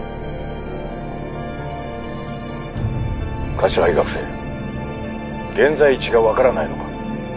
柏木学生現在地が分からないのか？